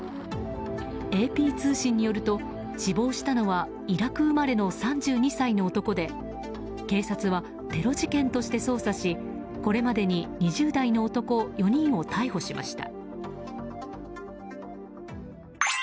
ＡＰ通信によると死亡したのはイラク生まれの３２歳の男で警察はテロ事件として捜査しこれまでに２０代の男４人を逮捕しました。